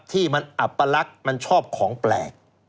ที่มันอัปลักษณ์มันชอบของแปลก